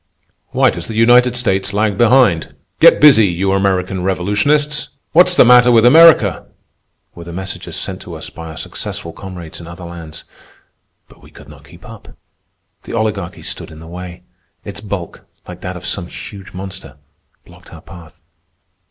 "Why does the United States lag behind?"; "Get busy, you American revolutionists!"; "What's the matter with America?"—were the messages sent to us by our successful comrades in other lands. But we could not keep up. The Oligarchy stood in the way. Its bulk, like that of some huge monster, blocked our path.